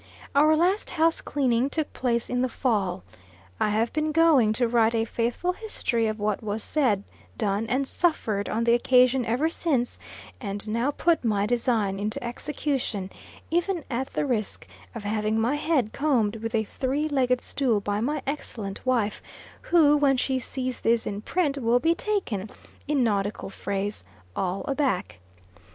Our last house cleaning took place in the fall. I have been going to write a faithful history of what was said, done, and suffered on the occasion ever since, and now put my design into execution, even at the risk of having my head combed with a three legged stool by my excellent wife, who, when she sees this in print, will be taken, in nautical phrase, all aback.